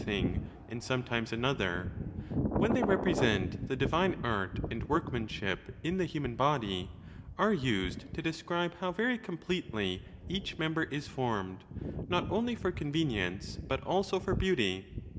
22T thing and sometimes another), when they represent the di vine art and workmanship in the human body, are used to describe how very completely each member is formed, not only for convenience, but also for beauty.